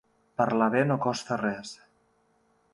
Parlar bé no costa res.